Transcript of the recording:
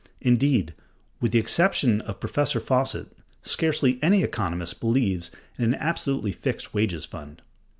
Indeed, with the exception of Professor Fawcett, scarcely any economist believes in an absolutely fixed wages fund.